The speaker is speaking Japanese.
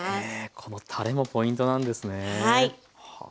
このたれもポイントなんですね。